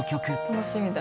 楽しみだ。